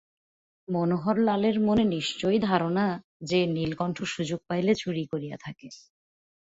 মনোহরলালের মনে নিশ্চয় ধারণা যে নীলকণ্ঠ সুযোগ পাইলে চুরি করিয়া থাকে।